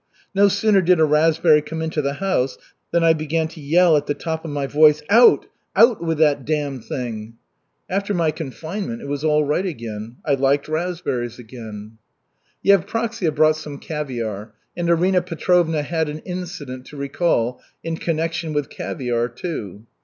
"No sooner did a raspberry come into the house than I began to yell at the top of my voice, 'Out, out with that damned thing!' After my confinement it was all right again; I liked raspberries again." Yevpraksia brought some caviar and Arina Petrovna had an incident to recall in connection with caviar, too.